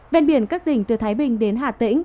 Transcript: ven biển các tỉnh từ thái bình đến hà tĩnh